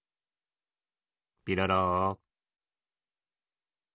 ピロロー。